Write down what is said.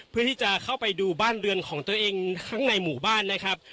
เพื่อที่จะเข้าไปดูบ้านเรือนของตัวเองข้างในหมู่บ้านนะครับ